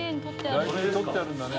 大事にとってあるんだね。